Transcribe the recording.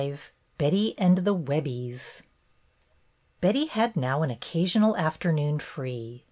V BETTY AND THE WEBBIES B etty had now an occasional after I noon free.